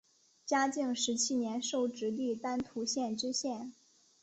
嘉靖十七年授直隶丹徒县知县。